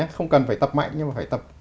không cần phải tập mạnh nhưng phải tập